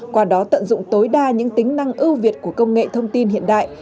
qua đó tận dụng tối đa những tính năng ưu việt của công nghệ thông tin hiện đại